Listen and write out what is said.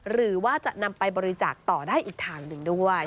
หรือว่าจะนำไปบริจาคต่อได้อีกทางหนึ่งด้วย